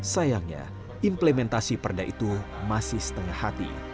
sayangnya implementasi perda itu masih setengah hati